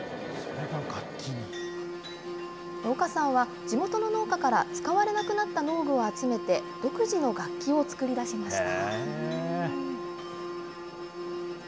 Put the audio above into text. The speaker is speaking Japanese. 岡さんは地元の農家から使われなくなった農具を集めて、独自の楽器を作り出しました。